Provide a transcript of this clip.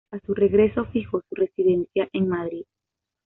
A su regreso fijó su residencia en Madrid.